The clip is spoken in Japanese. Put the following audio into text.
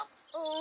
ん？